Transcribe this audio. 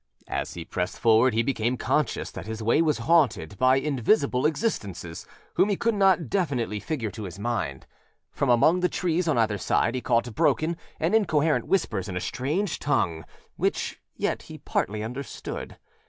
As he pressed forward he became conscious that his way was haunted by invisible existences whom he could not definitely figure to his mind. From among the trees on either side he caught broken and incoherent whispers in a strange tongue which yet he partly understood.